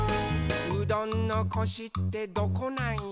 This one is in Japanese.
「うどんのコシってどこなんよ？」